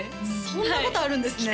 そんなことあるんですね